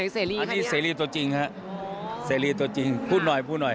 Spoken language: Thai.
อันนี้เสรีตัวจริงฮะเสรีตัวจริงพูดหน่อยพูดหน่อย